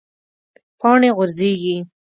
پاڼې غورځیږي